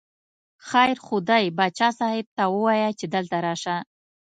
خیر خو دی، باچا صاحب ته ووایه چې دلته راشه.